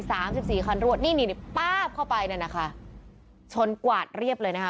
สามสิบสี่คันรวดนี่นี่ป๊าบเข้าไปนั่นนะคะชนกวาดเรียบเลยนะคะ